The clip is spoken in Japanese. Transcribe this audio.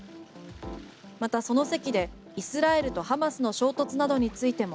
また、その席でイスラエルとハマスの衝突などについても